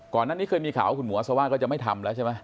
ก่อนหน้านี้เคยมีข่าวว่าคุณหมออาซาว่าก็จะไม่ทำแล้วใช่ไหม